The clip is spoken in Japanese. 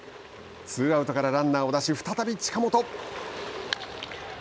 ツーアウトからランナーを出し再び近本。